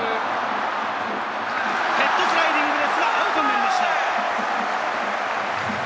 ヘッドスライディングですが、アウトになりました！